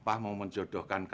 bahkan aku udah martyr